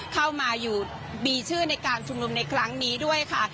เข้ามาอยู่มีชื่อในการชุมนุมในครั้งนี้ด้วยค่ะ